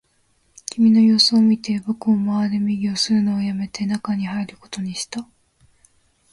君の様子を見て、僕も回れ右をするのをやめて、中に入ることにした